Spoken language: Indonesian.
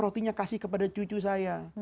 rotinya kasih kepada cucu saya